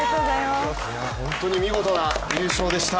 本当に見事な優勝でした。